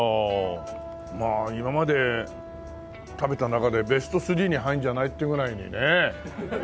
まあ今まで食べた中でベスト３に入るんじゃないってぐらいにね。